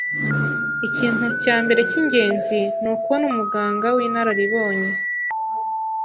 Ikintu cya mbere cy’ingenzi ni ukubona umuganga w’inararibonye